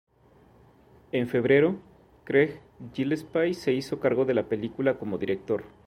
En febrero, Craig Gillespie se hizo cargo de la película como director.